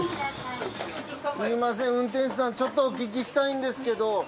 すみません運転手さんちょっとお聞きしたいんですけど。